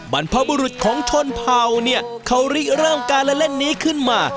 บรรพบุรุษของชนพาวเนี่ยเขาลี้แร่งการและเล่นนี้ขึ้นมา